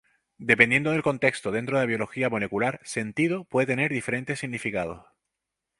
Dependiendo del contexto dentro de la biología molecular, "sentido" puede tener diferentes significados.